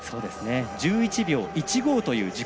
１１秒１５という自己